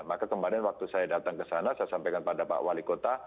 maka kemarin waktu saya datang ke sana saya sampaikan pada pak wali kota